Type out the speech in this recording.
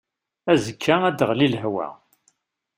Azekka ad d-teɣli lehwa.